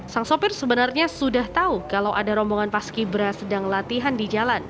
sang sopir sebenarnya sudah tahu kalau ada rombongan paski bera sedang latihan di jalan